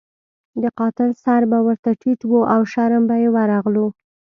د قاتل سر به ورته ټیټ وو او شرم به یې ورغلو.